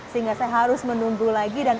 sehingga saya harus menunggu lagi dan